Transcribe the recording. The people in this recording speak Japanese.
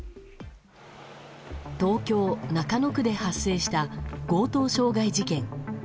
東京・中野区で発生した強盗傷害事件。